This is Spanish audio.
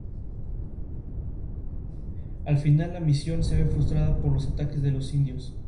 La primera exposición se tituló "Recursos incontrolables y otros desplazamientos naturales".